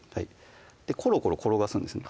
コロコロ転がすんですね